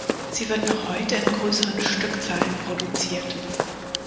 Sie wird noch heute in größeren Stückzahlen produziert.